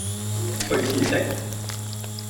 隨時食